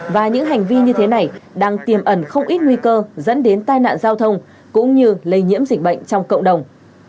và những hành vi như thế này đang tiềm ẩn không ít nguy cơ dẫn đến tai nạn giao thông cũng như lây nhiễm dịch bệnh trong cộng đồng